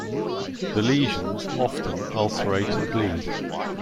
The lesions often ulcerate and bleed.